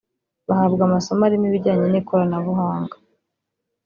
Bahabwa amasomo arimo ibijyanye n’ikoranabuhanga